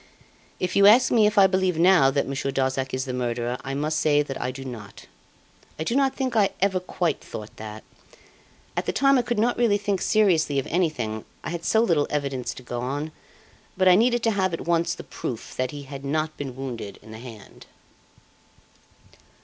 If you ask me if I believe now that Monsieur Darzac is the murderer, I must say I do not. I do not think I ever quite thought that. At the time I could not really think seriously of anything. I had so little evidence to go on. But I needed to have at once the proof that he had not been wounded in the hand.